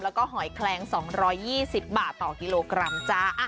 แล้วก็หอยแคลง๒๒๐บาทต่อกิโลกรัมจ้า